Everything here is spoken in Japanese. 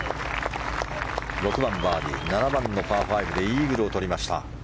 ６番バーディー、７番のパー５でイーグルを取りました。